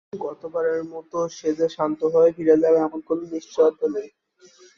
গতবারের মতো সে যে শান্তভাবে ফিরে যাবে এমন কোনো নিশ্চয়তা নেই।